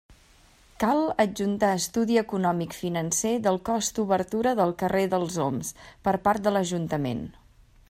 Cal adjuntar estudi econòmic financer del cost obertura del carrer dels Oms per part de l'ajuntament.